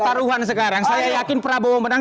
taruhan sekarang saya yakin prabowo menang